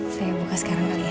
saya buka sekarang kali ya